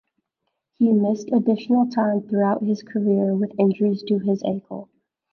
He missed additional time throughout his career with injuries to his ankle.